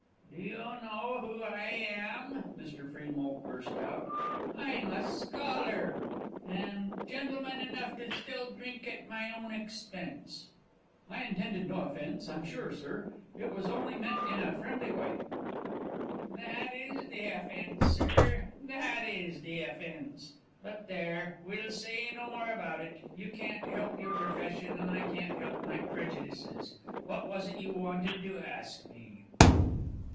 "Do you know who I am?" Mr. Freemoult burst out. "I'm a scholar, and gentleman enough still to drink at my own expense!" "I intended no offence, I'm sure, sir; it was only meant in a friendly way." "That is the offence, sir; that is the offence! But, there, we'll say no more about it; you can't help your profession, and I can't help my prejudices. What was it you wanted to ask me?"